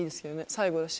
最後だし。